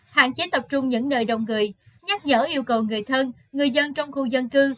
hạn chế tập trung những nơi đông người nhắc nhở yêu cầu người thân người dân trong khu dân cư